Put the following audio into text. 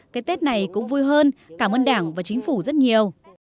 cái tết này cũng vui hơn cảm ơn đảng và chính phủ rất nhiều